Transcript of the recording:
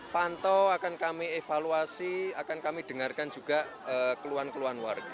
pantau akan kami evaluasi akan kami dengarkan juga keluhan keluhan warga